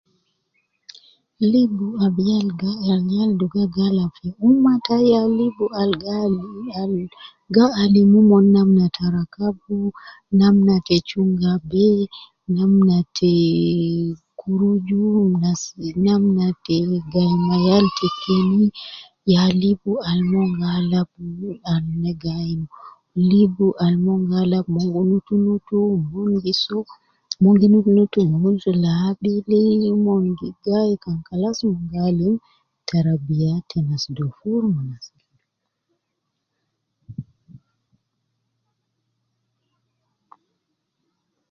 Libu ab yal gi ah al yal duga gi alab fi umma tai ya libu al gi ,al gi alimu omon namna ta rakabu, namna te chunga be, namna tee, kuruju nasi namna te gai ma yal te keni ya libu al mon gi alab, al na gi ayin, lib al mon gi alab mon gi nutu nutu, mon gi soo, mon gi nutu nutu, mon gi nutu labili, mon gi gai kan kalas mon gi alim tarabiya te nas dofuru me nas